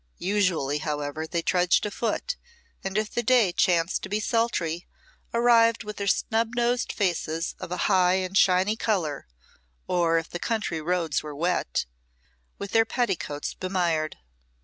Usually, however, they trudged afoot, and, if the day chanced to be sultry, arrived with their snub nosed faces of a high and shiny colour, or if the country roads were wet, with their petticoats bemired.